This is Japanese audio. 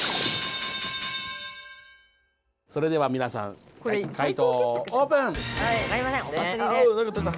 それではみなさん解答をオープン！